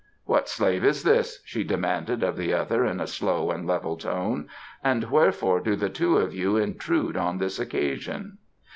"What slave is this," she demanded of the other in a slow and level tone, "and wherefore do the two of you intrude on this occasion?"